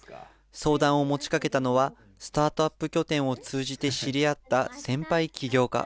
相談を持ちかけたのは、スタートアップ拠点を通じて知り合った先輩起業家。